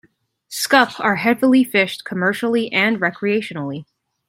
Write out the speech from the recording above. Scup are heavily fished commercially and recreationally.